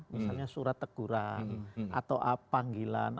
misalnya surat teguran atau panggilan